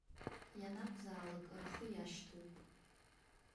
Ианакәзаалак рхы иашьҭоуп.